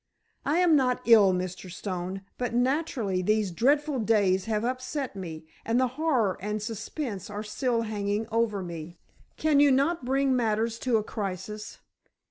"I am not ill, Mr. Stone, but naturally these dreadful days have upset me, and the horror and suspense are still hanging over me. Can you not bring matters to a crisis?